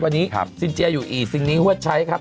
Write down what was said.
วันนี้ซินเจียอยู่อีกซิงนี้ฮวดใช้ครับ